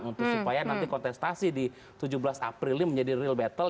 untuk supaya nanti kontestasi di tujuh belas april ini menjadi real battle